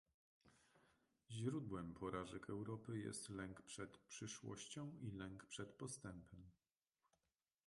Źródłem porażek Europy jest lęk przed przyszłością i lęk przed postępem